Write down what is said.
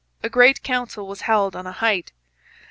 A great council was held on a height.